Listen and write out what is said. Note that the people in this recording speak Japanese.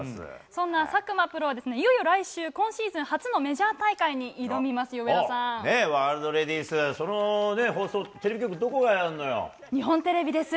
そんな佐久間プロは、いよいよ来週、今シーズン初のメジャー大会に挑みますよ、ワールドレディス、その放送、日本テレビです。